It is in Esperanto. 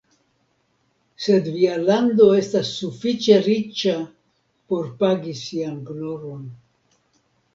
Sed via lando estas sufiĉe riĉa por pagi sian gloron.